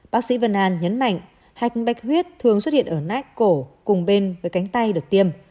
bác sĩ vân an nhấn mạnh hạch bạch huyết thường xuất hiện ở nát cổ cùng bên với cánh tay được tiêm